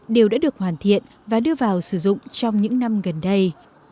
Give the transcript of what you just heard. đều đã được hoàn thiện và đưa vào sử dụng trong những năm gần đây